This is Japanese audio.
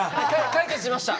解決しました。